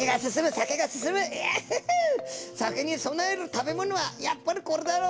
酒にそなえる食べ物はやっぱりこれだろう！